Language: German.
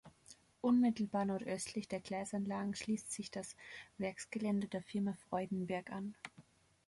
Unmittelbar nordöstlich der Gleisanlagen schließt sich das Werksgelände der Firma Freudenberg an.